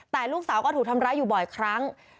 แต่ลูกสาวก็ถูกทำร้ายอยู่บ่อยครั้ง